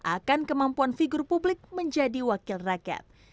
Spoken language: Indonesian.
akan kemampuan figur publik menjadi wakil rakyat